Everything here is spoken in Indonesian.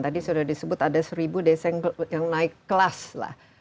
tadi sudah disebut ada seribu desa yang naik kelas lah